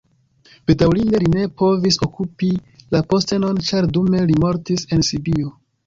Bedaŭrinde li ne povis okupi la postenon, ĉar dume li mortis en Sibio.